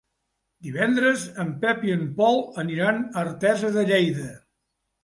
Divendres en Pep i en Pol aniran a Artesa de Lleida.